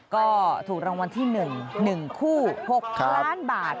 ก็ถูกรางวัลที่๑๑คู่๖ล้านบาท